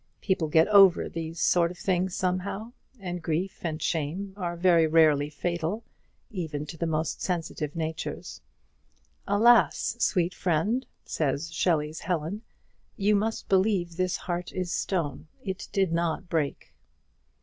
People get over these sort of things somehow; and grief and shame are very rarely fatal, even to the most sensitive natures. "Alas, sweet friend," says Shelley's Helen, "you must believe this heart is stone; it did not break!"